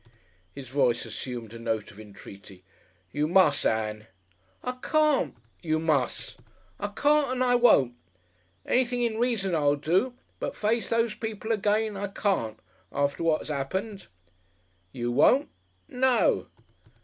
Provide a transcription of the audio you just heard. His voice assumed a note of entreaty. "You mus', Ann." "I can't." "You mus'." "I can't and I won't. Anything in reason I'll do, but face those people again I can't after what 'as 'appened." "You won't?" "No!"...